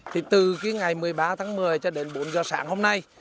thì từ cái ngày một mươi ba tháng một mươi cho đến bốn giờ sáng hôm nay